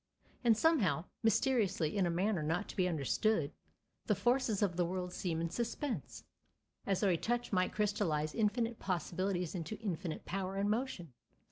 And somehow, mysteriously, in a manner not to be understood, the forces of the world seem in suspense, as though a touch might crystallize infinite possibilities into infinite power and motion.